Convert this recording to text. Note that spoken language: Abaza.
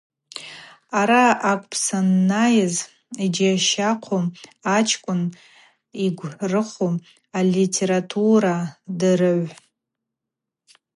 Араъа акӏвпӏ съайынйаз йджьащахъву ачкӏвын, йгврыхву алитературадырыгӏв.